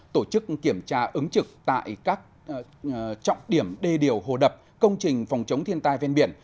tổ chức kiểm tra ứng trực tại các trọng điểm đê điều hồ đập công trình phòng chống thiên tai ven biển